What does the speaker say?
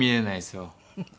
フフ！